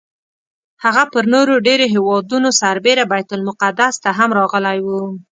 هغه پر نورو ډېرو هېوادونو سربېره بیت المقدس ته هم راغلی و.